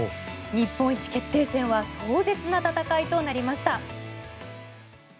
日本一決定戦は壮絶な戦いとなりました。